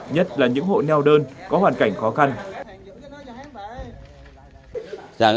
nhất là những hộ neo đơn có hoàn cảnh khó khăn